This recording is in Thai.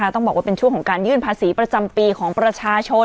ต้องบอกว่าเป็นช่วงของการยื่นภาษีประจำปีของประชาชน